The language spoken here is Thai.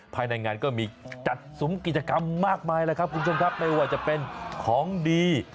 ภายในงานก็มีจัดสุมกิจกรรมมากมายแล้วครับคุณผู้ชมครับไม่ว่าจะเป็นของดี